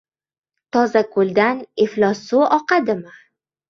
• Toza ko‘ldan iflos suv oqadimi?